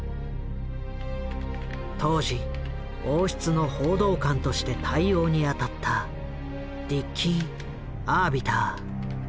当時王室の報道官として対応に当たったディッキー・アービター。